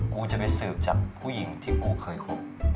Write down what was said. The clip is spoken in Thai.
กูจะไปสืบจากผู้หญิงที่กูเคยคบ